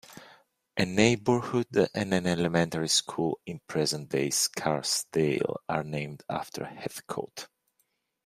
A neighborhood and an elementary school in present-day Scarsdale are named after Heathcote.